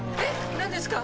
何ですか？